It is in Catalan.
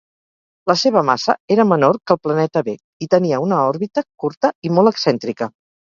La seva massa era menor que el planeta B i tenia una òrbita curta i molt excèntrica.